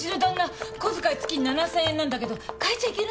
小遣い月７，０００円なんだけど変えちゃいけないの？